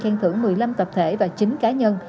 khen thưởng một mươi năm tập thể và chín cá nhân